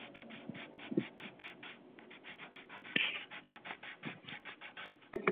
他的继承者阿尔斯兰在位时终生向菊儿汗称臣纳贡。